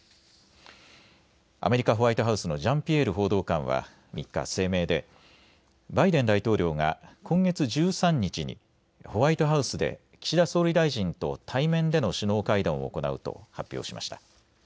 アメリカ・ホワイトハウスのジャンピエール報道官は３日、声明でバイデン大統領が今月１３日にホワイトハウスで岸田総理大臣と対面での首脳会談を行うと発表しました。